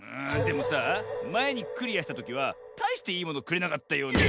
あでもさぁまえにクリアしたときはたいしていいものくれなかったよ。